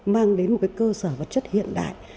mang đến một cơ sở vật chất hiện đại